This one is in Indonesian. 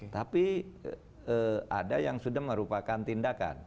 tapi ada yang sudah merupakan tindakan